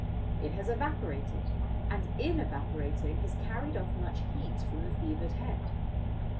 It has evaporated, and, in evaporating, has carried off much heat from the fevered head.